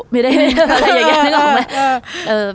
ไม่ได้อะไรอย่างนี้หรอกนะ